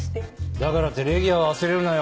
だからって礼儀は忘れるなよ。